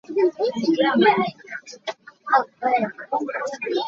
Hmaikum ah Abawi nih inn a sak te lai.